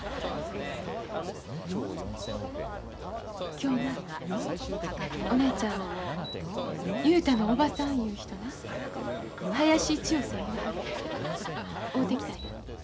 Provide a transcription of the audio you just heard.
今日なお姉ちゃん雄太のおばさんいう人な林千代さんいわはる人会うてきたんや。